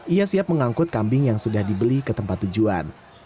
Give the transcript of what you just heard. ia siap mengangkut kambing yang sudah dibeli ke tempat tujuan